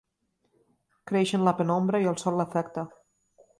Creix en la penombra i el sol l'afecta.